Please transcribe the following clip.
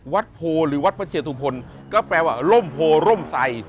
โพหรือวัดพระเชตุพลก็แปลว่าร่มโพร่มใส